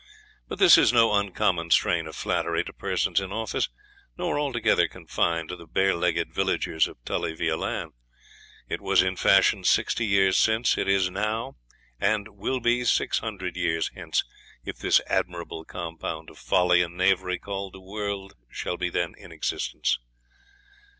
But this is no uncommon strain of flattery to persons in office, nor altogether confined to the barelegged villagers of Tully Veolan; it was in fashion Sixty Years Since, is now, and will be six hundred years hence, if this admirable compound of folly and knavery, called the world, shall be then in existence.